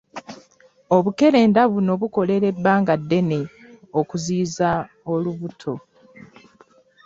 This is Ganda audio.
Obukerenda buno bukolera ebbanga ddene okuziyiza olubuto.